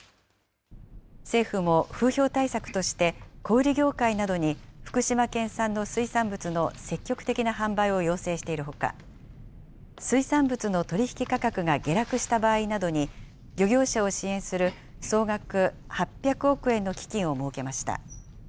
政府も風評対策として小売り業界などに、福島県産の水産物の積極的な販売を要請しているほか、水産物の取り引き価格が下落した場合などに、漁業者を支援する総額８００億円の基金を設けました。